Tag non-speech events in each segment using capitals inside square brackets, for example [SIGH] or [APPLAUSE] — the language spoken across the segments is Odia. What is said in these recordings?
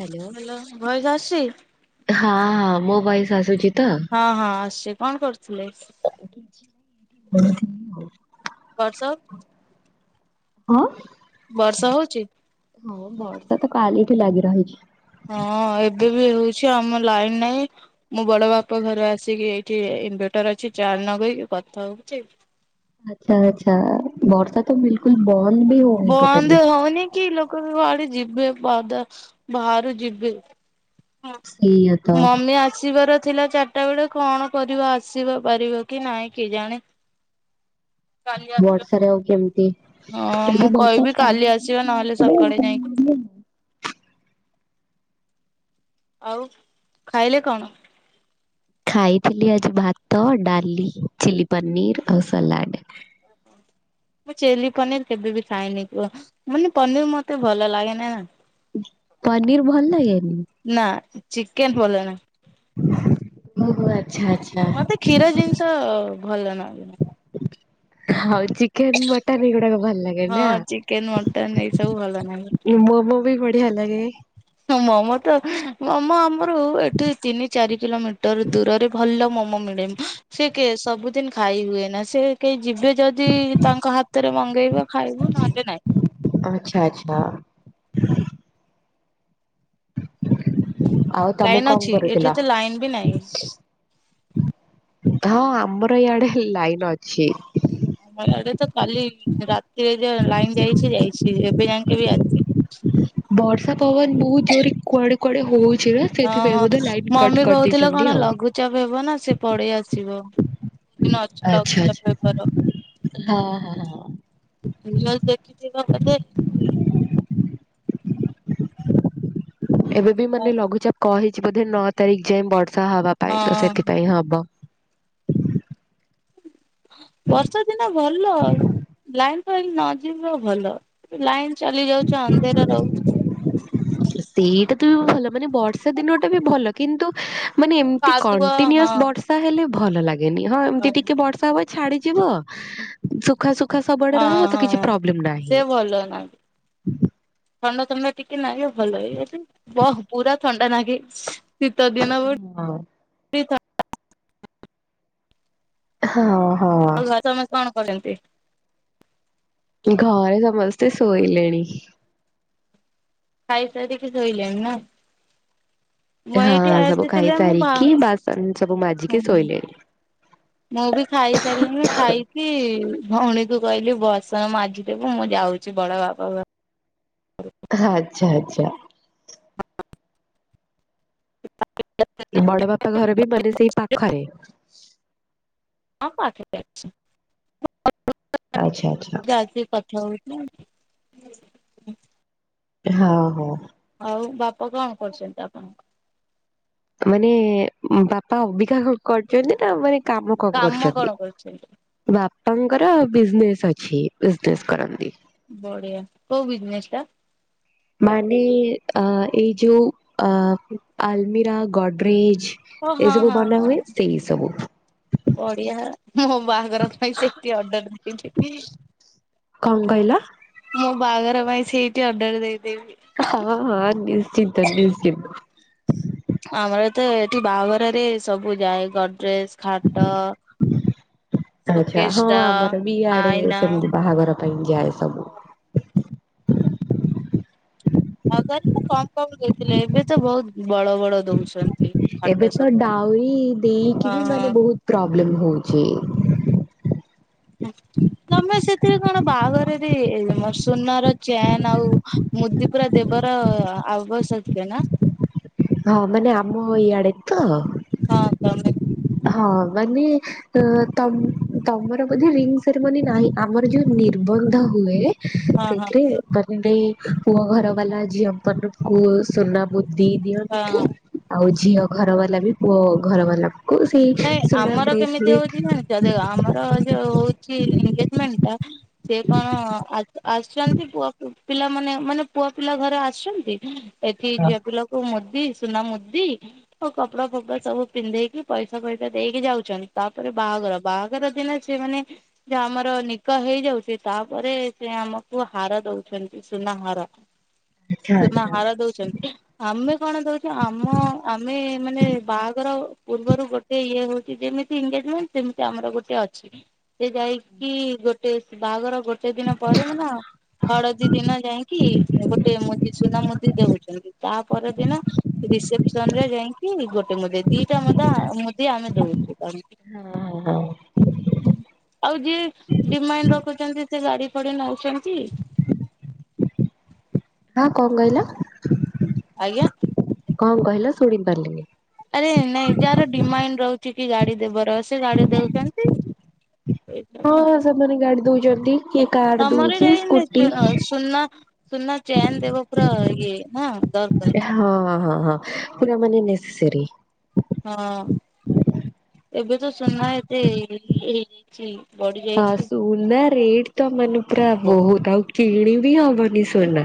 ହ୍ୟାଲୋ। ହେଲୋ ଭଏସ୍ ଆସଚି? ହଁ ମୋ ଭୟସ୍ ଆସୁଚି ତ? ହଁ, ହଁ, ଆସଚି କଣ କରୁଥୁଲେ? କାଳେ କିଛି ଓଳକିନି ହୋଉ। ବର୍ଷ ହଁ। ବର୍ଷା ହଉଚି? ହଁ ବର୍ଷା ତ କାଲିଠୁ ଲାଗି ରହିଛି। ହଁ ଏବେ ବି ହୋଉଛି ଆମ ଲାଇନ୍ ନାଇଁ ମୁଁ ବଡ଼ ବାପା ଘର ଆସିକି ଏ ଠିରେ ଇନଭେଟର୍ ଅଛି ଚାର୍ଜ ନଗେଇକି କଥା ହଉଚି। ଆଚ୍ଛା ଆଚ୍ଛା ବର୍ଷା ତ ବିଲକୁଲ୍ ବନ୍ଦ ବି ହୋଉନି ବନ୍ଦ ଟୋଟଲି। ହଉନି କି ଲୋକ କେ କୁଆଡ଼େ ଯିବେ ପଦା ବାହାରୁ ଯିବେ ହଁ ସେଇଆ ତ ମମି ଆସିବାର ଥିଲା ଚାର ସେଟା ବେଳେ କଣ କରିବ ଆସିବା ପାରିବ କି ନାଇଁ କି ଜାଣି କାଲି ଆସିବା, ବର୍ଷାରେ ଆଉ କେମିତି ହଁ ଯଦି ମୁଁ ବର୍ଷା କହିବି ଛାଡି କାଲି ଆସିବା ନହେଲେ ସକାଳେ ଯାଇଁକି। ଆଉ ଖାଇଲେ କଣ? ଖାଇଥିଲି ଆଜି ଭାତ, ଡାଲି, ଚିଲିପନିର ଆଉ ସଲାଡ। ମୁଁ ଚିଲି ପନିର କେବେ ବି ଖାଇନି କୁହ ମାନେ ପନିର ମତେ ଭଲ ଲାଗେନା। ପନିର ଭଲ ଲାଗେନି? ନା ଚିକେନ ଭଲ ନା ଓ [UNINTELLIGIBLE] ଆଛା। ମତେ କ୍ଷୀର ଜିନିଷ ଭଲ ନ ହୋଉ ଚିକେନ ମଟନ୍ ଏଇଗୁଡାକ ଭଲ ଲାଗେ। ନା? ହଁ ଚିକେନ ମଟନ ଏଇ ସବୁ ଭଲ ନାହିଁ। ମୁଁ ବି ହେ ଲାଗେ [UNINTELLIGIBLE] ମୋମୋ ଆମର ଏଠି ତିନି ଚାରି କିଲୋମିଟର ଦୂରରେ ଭଲ ମୋମୋ ମିଳେ। ସେ କେ ସବୁଦିନ ଖାଇ ହୁଏ ନା ସେ କେହି ଯିବେ ଯଦି ତାଙ୍କ ହାତରେ ମଗେଇବା। ଖାଇବୁ ନହେଲେ ନାହି। ଆଚ୍ଛା ଆଚ୍ଛା। ଆଉ ତମେ ଲାଇନ କଣ ଅଛି ଏଠି କରୁଥିଲ? ତ ଲାଇନ ବି ନାହିଁ। ହଁ ଆମର ଇଆଡେ ଲାଇନ ଅଛି। ମ ଆଡେ ତ କାଲି ରାତିରେ ଯ ଲାଇନ୍ ଯାଇଚି ଯାଇଚି ଏବେ ଯାଇକ ବି ଆସ। ବର୍ଷା ପବନ ବୋହୁତ ଜୋରେ କୁଆଡେ କୁଆଡେ ହୋଉଚି ନା। ହଁ ସେଥିପାଇଁ ହଁ ବୋଧେ ଲାଇନ କଟ ମମି କୋହୁଥିଲେ କରିଦେଇଛନ୍ତି କଣ ଆଉ। ଲଘୁଚାପ ହେବ ନା ସେ ପଳେଇ ଆସିବ। ଦିନ ଅଛି ଆଚ୍ଛା ଲଘୁଚାପ ଆଚ୍ଛା ହେବାର ହଁ ହଁ। [UNINTELLIGIBLE] ଦେଖିଥିବ ବୋଧେ। ଏବେ ବି ହଁ ମାନେ ଲଘୁଚାପ କହିଚି ବୋଧେ ନଅ ତାରିଖ ଯାଏ ବର୍ଷା ହବା ପାଇଁ ତ ସେଥିପାଇଁ ହବ। ବର୍ଷା ଦିନ ଭଲ ଲାଇନ୍ ଫାଇନ୍ ଯିବ ଭଲ। ଲାଇନ୍ ଚାଲି ଯାଉଚ ଅନ୍ଧେର ରହୁଚି। ସେଇଟା ତ ବି ଭଲ ମାନେ ବର୍ଷା ଦିନ ଟା ଭଲ। କିନ୍ତୁ ମାନେ ଏମତି କାଦୁଅ ହଁ କଣ୍ଟିନୁଅସ ବର୍ଷା ହେଲେ ଭଲ ଲାଗେନି ହଁ ଏମିତି ଟିକେ ବର୍ଷା ହ ଛାଡିଯିବ ସୁଖା ସୁୁଖା ସବୁଆଡେ ରହିବ ତ କିଛି ପ୍ରୋବ୍ଲେମ ନାହିଁ। କଲ ନାହାନ୍ତି। ଥଣ୍ଡା ଥଣ୍ଡା ଟିକେ ନାଗେ ଭଲ ହେଇ ଏଠ ବହୁ ପୁରା ଥଣ୍ଡା ନାଗେ। ଶୀତା ଦିନ ହଁ। [UNINTELLIGIBLE] ହଁ ହଁ। [UNINTELLIGIBLE] ସମସ୍ତେ କଣ [UNINTELLIGIBLE] ଘରେ ସମସ୍ତେ ଶୋଇଲେଣି। ଖାଇସାରି କି ଶୋଇଲାଣି ନା। [UNINTELLIGIBLE] ହଁ ସବୁ ଆସିଥିଲା ମୁଁ ବା। ଖାଇସାରିକି ବାସନ ସବୁ ମାଜିକି ଶୋଇଲେଣି। ମୁଁ ବି ଖାଇସାରିଲିନି ଖାଇକି ଭଉଣୀକୁୁ କହିଲି ବାସନ ମାଜିଦେବୁ ମୁଁ ଯାଉଚି। କିଛି ବଡ ବାପ। ଆଚ୍ଛା ଆଚ୍ଛା। ବଡ ବାପା ଘର ବି ମାନେ ସେଇ ପାଖରେ। ହଁ ପାଠରେ [UNINTELLIGIBLE] ଆଚ୍ଛା ଆଚ୍ଛା। ତା ସ କଥା [UNINTELLIGIBLE] ହୁଁ। ହଉ ହଉ। ହଉ ବାପା କଣ କରୁଛନ୍ତି ଆପଣଙ୍କର? ମାନେ ବାପା ଅବିକା କଣ କରୁଛନ୍ତି, ନା ମାନେ କାମ କଣ କରୁଛନ୍ତି? ବାପାଙ୍କର ବିଜନେସ୍ ଅଛି, ବିଜନେସ୍ କରନ୍ତି। ବଢିଆ, କୋଉ ବିଜନେସଟା? ମାନେ ଆ ଏଇ ଯୋଉ ଆ ଆଲମିରା ଗଡରେଜ। ଓ- ହଁ ଏସବୁ -ହଁ ବନା -ହଁ। ହୁଏ ସେଇ ସବୁ। ବଢିଆ ମୋ ବାହାଘର ପାଇଁ ସେଠି ଅର୍ଡର ଦେଇଦେବି। କଣ କହିଲ? ମୋ ବାହାଘର ପାଇଁ ସେଇଠି ଅର୍ଡର ଦେଇଦେବି। ହଁ -ହଁ ନିଶ୍ଚିନ୍ତ ନିଶ୍ଚିନ୍ତ। ଆମର ତ ଏଠି ବାହାଘରରେ ସବୁ ଯାଏ। ଗଡ୍ରେଜ୍ ଖଟ, ଆଚ୍ଛା ସୁଟକେସ୍ ହଁ ଟା, ଆମର ବି ଇଆଡେ ଆଇନା ସେମିତି ବାହାଘର ପାଇଁ ଯାଏ ସବୁ। ଆଗରେ ତ କମ କମ ଦେଇଥିଲେ, ଏବେ ତ ବହୁତ ବଡ ବଡ ଦଉ ଏବେ ତ ଡାଉରି ଦେଇକି ବି, ମାନେ ଓହୋ ବହୁତ ପ୍ରୋବ୍ଲେମ ହଉଛି। ତମେ ସେଥିରେ କଣ, ବାହାଘରରେ ସୁନାର ଚେନ୍ ଆଉ ମୁଦି ପୁରା ଦେବାର ଆବଶ୍ୟକୀୟ ନା? ହଁ ମାନେ ଆମ ଇଆଡେ ତ। ହଁ ତମେ ହଁ ମାନେ ତମ୍ ତମର ବୋଧେ, ରିଙ୍ଗ ସେରେମୋନି ନାହିଁ? ଆମର ଯୋଉ ନିର୍ବନ୍ଧ ହୁଏ, ହଁ ହଁ ସେଥିରେ ଲୁଗା ପିନ୍ଧେଇ ପୁଅ ଘର ବାଲା, ଝିଅ ମାନଙ୍କୁ ସୁନା ମୁଦି ଦିଅ ହଁ। ଆଉ ଝିଅ ଘର ବାଲା ବି, ପୁଅ ଘର ବାଲାକୁ ସେଇ ସୁନା ବ୍ରେସଲେଟ ଏବେ ଆମର ଯୋଉ ହଉଛି ଏଗେଜମେଣ୍ଟଟା ସେ କଣ ଆ ଆସିଛନ୍ତି ପୁଅ ପିଲାମାନେ, ମାନେ ପୁଅ ପିଲା ଘରେ ଆସିଛନ୍ତି ଏଠି ଝିଅ ପିଲା କୋଉ ମୁଦି ସୁନା ମୁଦି, ଆଉ କପଡା ଫପଡା ସବୁ ପିନ୍ଧେଇକି ପଇସା ପଇସା ଫଇସା ଦେଇକି ଯାଉଛନ୍ତି, ତାପରେ ବାହାଘର ବାହାଘର ଦିନ ସେ ମାନେ ଯେ ଆମର ନିକା ହେଇଯାଉଛି, ତାପରେ ସେ ଆମକୁ ହାର ଦଉଛନ୍ତି ସୁନା ହାର। ଆଚ୍ଛା ସୁନା ଆଚ୍ଛା। ହାର ଦଉଛନ୍ତି। ଆମେ କଣ ଦଉଛୁ, ଆମ ଆମେ ମାନେ ବାହାଘର ପୂର୍ବରୁ ଗୋ ଟେ ଇଏ ହଉଛି, ଯେମିତି ଏନଗେଜମେଣ୍ଟ ସେମିତି ଆମର ଗୋଟେ ଅଛି। ସେ ଯାଇକି, ଗୋଟେ ବାହାଘର ଗୋଟେ ଦିନ ପର ଦିନ ହଳଦୀ ଦିନ ଯାଇକି, ଗୋଟେ ମୁଦି ସୁନା ମୁଦି ଦଉଛନ୍ତି। ତାପର ଦିନ ରିସେପସନ ରେ ଯାଇକି, ଗୋଟେ ମୁଦି ଦିଟା ମୁଦା କି ଆମେ ଦଉଛୁ ତାଙ୍କୁ। ହଁ। ହଁ ଆଉ ଯିଏ ଡିମାଣ୍ଡ ରଖୁଛନ୍ତି, ସେ ଗାଡି ଫାଡି ନଉଛନ୍ତି। ହଁ କଣ କହିଲ? ଆଜ୍ଞା। କଣ କହିଲ, ଶୁଣି ପାରିଲିନି? ଆରେ ନାଇଁ ଯାହାର ଡିମାଣ୍ଡ ରହୁଛି କି ଗାଡି ଦେବାର। ସେ ଗାଡି ଦଉଛନ୍ତି ଏଇସବୁ। ହଁ ସେମାନେ ଗାଡ଼ି ଦଉଛନ୍ତି। କିଏ କାର ଆମର ଦଉଛି ଏଇଟା ଏଇ ସ୍କୁଟି। [UNINTELLIGIBLE] ସୁନା, ସୁନା ଚେନ୍ ଦେବ ପୁରା ଇଏ ହଁ ଦରକାର ହଁ -ହଁ -ହଁ ପୁରା ମାନେ ନେସେସେରି। ହଁ ଏବେ ତ ସୁନା ଏତେ ଇଏ ହେଇଯାଇଚି। ଚି ବଡି ହଁ ସୁନା ରେଟ ତ ମାନେ ପୁରା ବହୁତ ଆଉ କିଣିବି ହବନି ସୁନା।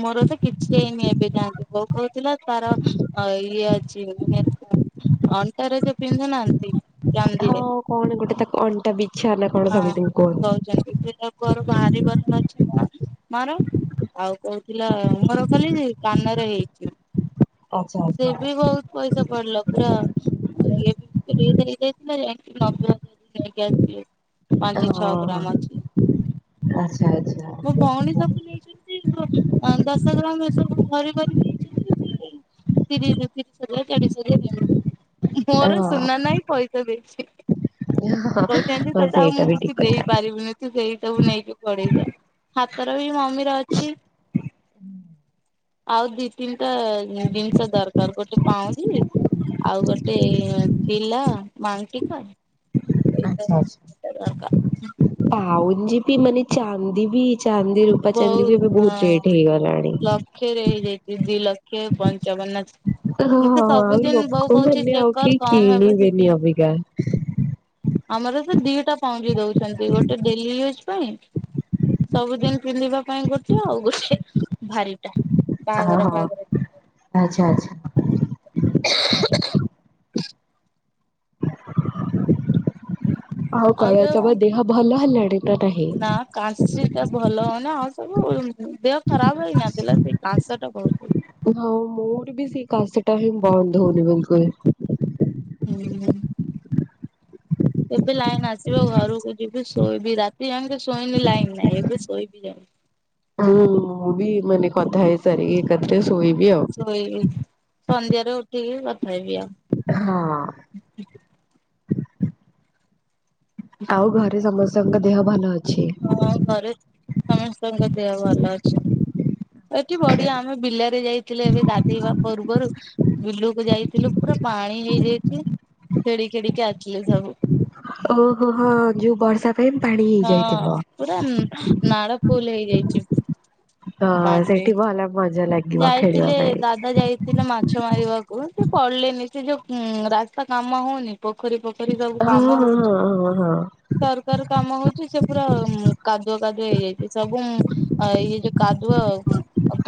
ମୋର ତ କିଛି ହେଇନି ଏବେ ଯାଆନ୍ତି, ବୋଉ କହୁଥିଲା ତାର ଇଏ ଅଣ୍ଟାରେ ଯ ପିନ୍ଧୁ ନାହାନ୍ତି। ଚାନ୍ଦିରେ ହଁ କଣ ଗୋଟେ ତାକୁ ଅଣ୍ଟା ବିଛା ନା କଣ ହଁ ସମତିଙ୍କୁ କୁହନ୍ତି। ସେଟା ଘରୁ ବାହାରିିବାର ଅଛି ମୋ ମୋର ଆଉ କହୁଥିଲା ମୋର ଖାଲି କାନରେ ହେଇଛି ଆଚ୍ଛା ସେ ଆଚ୍ଛା। ବି କହୁ ପଇସା ପଡିଲା ପୁରା ଏ ରେ ହେଇଯାଇଥିଲା ଯାଇକି ନବେ ହଜାର ନେଇକି ଆସି। ପାଞ୍ଚ ଛଅ ଗ୍ରାମ ଅଛି। ଆଛା ଆଛା। ମୋ ଭଉଣୀ ସବୁ ନେଇଛନ୍ତି ଦଶ ଗ୍ରାମ ଏ ସବୁ ଭରି ଭରି ନେଇଛନ୍ତି ସେ। [UNINTELLIGIBLE] ମୋର ସୁନା ନାହିଁ ପଇସା ଦେଇଛି, କହୁଛନ୍ତି ହଁ ତତେ ଆଉ ସେଇଟା ମୁଁ ବି କିଛି ଠିକ ଦେଇ କଥା। ପାରିବି ନି ତ ସେଇ ସବୁ ନେଇକି ପଢେଇଯାଅ, ହାତର ବି ମମି ର ଅଛି ଆଉ ଦି ତିନିଟା ଜିନିଷ ଦରକାର, ଗୋଟେ ପାଉଁଜି ଆଉ ଗୋଟେ ପିଲା ମାଙ୍କିକ ଆଛା ଆଛା, ପାଉଁଜି ବିି ମାନେ ଚାନ୍ଦି ବି ଚାନ୍ଦି ରୂପା ଚାନ୍ଦି ବି ଏବେ ବହୁତ ରେଟ୍ ହେଇଗଲାଣି। ଲକ୍ଷରେ ହୋଇଯାଇଛି ଦି ଲକ୍ଷରେ ପଞ୍ଚାବନ ହଁ ମୁଁ ତ ଆଉ ସବୁଦିନ ବୋଉ କହୁଛି ଚେକ୍ କର କମ ହେବ ସେଦିନ ଗା ଆମର ତ ଦିଟା ପାଉଁଜି ଦଉଛନ୍ତି, ଗୋଟେ ଡେଲି ୟୁଜ ପାଇଁ ସବୁଦିନ ପିନ୍ଧିବା ପାଇଁ ଗୋଟେ ଆଉ ଗୋଟେ ଭାରିଟା ଓ ବାହାଘର ହୋ ଫାହାଘର ଆଛା ଆଛା [UNINTELLIGIBLE] [UNINTELLIGIBLE] ଆଉ କହ ତମ ଦେହ ଭଲ ହେଲାଣି ନା ନାହିଁ? କାସି ଟା ଭଲ ହଉନା ଆଉ ସବୁ ଦେହ ଖରାପ ହେଇନଥିଲା ସେ କାସ ଟା ବହୁତ ହ ହଁ ମୋର ବି ସେଇ କାସଟା ହିଁ ବନ୍ଦ ହଉନି ବିଲକୁଲ୍ ହୁଁ ହୁଁ ଏବେ ଲାଇନ ଆସିବ, ଘରକୁ ଯିବି ଶୋଇବି, ରାତି ଯାଣିକି ଶୋଇନି ଲାଇନ ନାହିଁ, ଏବେ ଶୋଇବି ଯା ହୁଁ ମୁଁ ବି ମାନେ କଥା ହେଇସାରିକି ରାତି ରେ ଶୋଇବି ଆଉ ଶୋଇବି ସନ୍ଧ୍ୟାରେ ଉଠିକି କଥା ହେବି ହଁ। ଆଉ ଆଉ ଘରେ ସମସ୍ତଙ୍କ ଦେହ ଭଲ ଅଛି? ହଁ ଘରେ ସମସ୍ତଙ୍କ ଦେହ ଭଲ ଅଛି। ଏଠି ବଢିଆ, ଆମେ ବିଲରେ ଯାଇଥିଲେ ଏବେ ଗାଧେଇବା ପୂର୍ବରୁ ବିଲକୁ ଯାଇଥିଲୁ, ପୁରା ପାଣି ହେଇଯାଇଛି, ଖେଡି ଖେଡିକି ଆସିଲେ ସବୁ। ଓହୋ, ହଁ, ଯୋଉ ବର୍ଷା ପାଇଁ ପାଣି ହଁ ହେଇଯାଇଥିବ। ପୁରା ନାଳ ଫୁଲ ହେଇଯାଇଛି। ହଁ ପାଣିରେ। ସେଠି ବି ଭଲ ମଜା ଲାଗେ। ଯାଇଥିଲେ ଦାଦା ଯାଇଥିଲେ ମାଛ ମାରିବାକୁ, ସେ ପଡିଲେନି, ସେ ଯୋଉ ରାସ୍ତା କାମ ହଉନି ପୋଖରୀ ପଖରୀ ସବୁ ହଁ କାମ ହଁ ହଁ ହଉଛି, ହଁ ହଁ। ସରକାର କାମ ହଉଛି ସେ ପୁରା କାଦୁଅ କାଦୁଅ ହେଇଯାଇଛି, ସବୁ ଇଏ ଯୋଉ କାଦୁଅ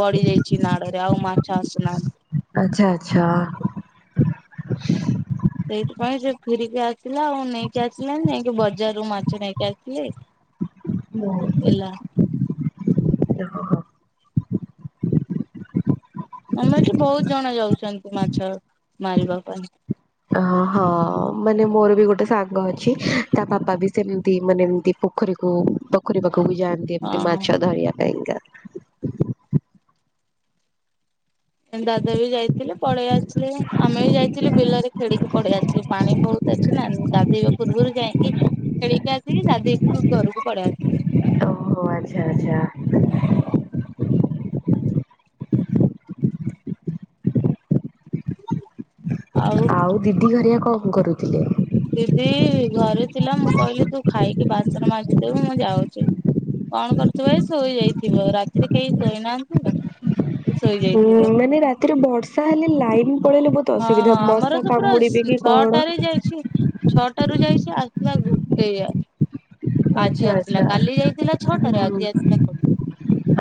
ପଡିଯାଇଛି। ମାଚି ନାଡରେ ଆଉ ମାଛ ଆସୁ ନା ଆଛା ଆଛା ଆ ସେଇଥିପାଇଁ ସେ ଫେରିକି ଆସିଲା ଆଉ ନେଇକି ଆସିଲାନି, ଯାଇକି ବଜାରରୁୁ ମାଛ ନେଇକି ଆସିଲେ [INAUDIBLE] ହାଲୋ ହେଲା ଆମେ ଏଠି ବହୁତ ଜଣ ଯାଉଛନ୍ତି ମାଛ ମାରିବା ପାଇଁ ଅ ହଁ ମାନେ ମୋର ବି ଗୋଟେ ସାଙ୍ଗ ଅଛି ତା ବାପା ବି ସେମତି ମାନେ ଏମତି ପୋଖରୀକୁ ପୋଖରୀ ପାଖକୁ ଯାଆନ୍ତି ଏମିତି ମାଛ ହଁ ଧରିବା ପାଇଁକା। ଦାଦା ବି ଯାଇଥିଲେ ପଳେଇ ଆସିଲେ ଆମେ ବି ଯାଇଥିଲୁ ବିଲରେ ଖେଳିକି ପଳେଇ ଆସିଲୁ ପାଣି ବହୁତ ଅଛି ନା ଗାଧେଇବା ପୂର୍ବରୁ ଯାଇକି ଖେଳିକି ଆସିବି ଗାଧେଇକି ଘରକୁ ପଳେଇ ଆସିଲି। ଓହୋ ଆଚ୍ଛା ଆଚ୍ଛା। ଆଉ ଆଉ ଦିଦି ଘରିଆ କଣ କରୁଥିଲେ? ଦିଦି ଘରେ ଥିଲା ମୁଁ କହିଲି ତୁ ଖାଇକି ବାସନ ମାଜିଦବୁ ମୁଁ ଯାଉଛି। କଣ କରୁଥିବ ଏଇ ଶୋଇଯାଇଥିବ ରାତିରେ କେହି ଶୋଇନାହାନ୍ତି ଆ ହୁଁ ମାନେ ରାତିରେ ବର୍ଷା ହେଲେ ଲାଇନ ପଳେଇଲେ ବହୁତ ହଁ ଅସୁବିଧା ଆମର ମଶା ତ ପୁରା କାମୁଡିବେ ଶ୍ କି କଣ। ଛଅଟାରେ ଯାଇଛି ଛଅଟା ରୁ ଯାଇଛି ଆସିଲା ଗୋଟେ ଆଚ୍ଛା ଆଜି ଆସିଲା ଆଚ୍ଛା କାଲି ଯାଇଥିଲା ଛଅଟାରେ ଆଜି ଆସିଲ ଗୋଟେ।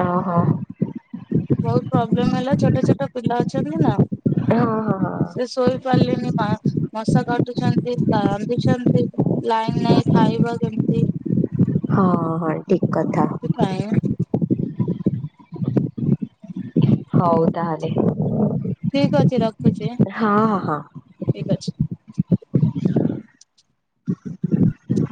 ଓ ହୋ। ବହୁତ ପ୍ରୋବ୍ଲେମ ହେଲା ଛୋଟ ଛୋଟ ପିଲା ଅଛନ୍ତି ନା ହଁ ହଁ ହଁ ହଁ ସେ ଶୋଇ ପାରିଲେନି ମା ମଶା କାଟୁଛନ୍ତି କାନ୍ଦୁଛନ୍ତି ଲାଇନ ନାଇଁ ଖାଇବା କେମିତି? ହଁ ହୋଉ ଠିକ କଥା। ଥିପାଇଁ ହଉ ତାହେଲେ ଠିକ ଅଛି ରଖୁଛି ହଁ ହଁ ହଁ। ଠିକ ଅଛି।